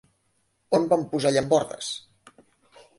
On van posar llambordes?